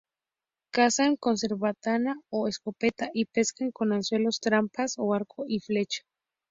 Cazan con cerbatana o escopeta y pescan con anzuelos, trampas o arco y flecha.